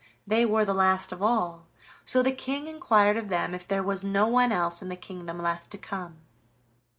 They were the last of all, so the King inquired of them if there was no one else in the kingdom left to come.